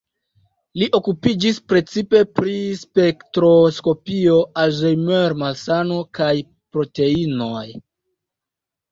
Li okupiĝis precipe pri spektroskopio, Alzheimer-malsano kaj proteinoj.